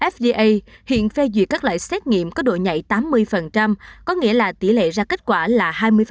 fda hiện phê duyệt các loại xét nghiệm có độ nhảy tám mươi có nghĩa là tỷ lệ ra kết quả là hai mươi